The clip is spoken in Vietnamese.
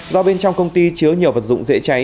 do bên trong công ty chứa nhiều vật dụng dễ cháy